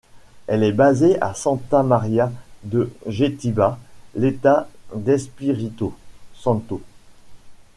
Elle est basée à Santa Maria de Jetibá, l'état d'Espírito Santo.